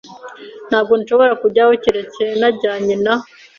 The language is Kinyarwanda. Ntabwo nshobora kujyayo keretse najyanye na .